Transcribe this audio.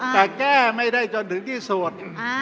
แต่แก้ไม่ได้จนถึงที่สุด